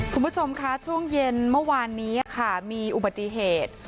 คุณผู้ชมคะช่วงเย็นเมื่อวานนี้ค่ะมีอุบัติเหตุ